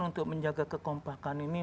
untuk menjaga kekompakan ini